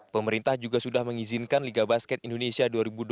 pemerintah juga sudah mengizinkan liga basket indonesia dua ribu dua puluh tiga